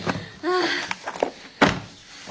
ああ。